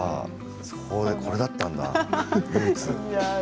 これだったんだルーツ。